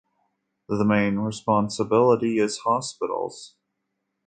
The main responsibility is hospitals.